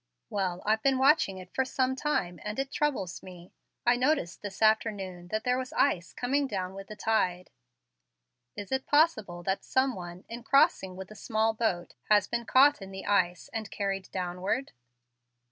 "Well, I've been watching it for some time, and it troubles me. I noticed this afternoon that there was ice coming down with the tide. Is it possible that some one, in crossing with a small boat, has been caught in the ice and carried downward?"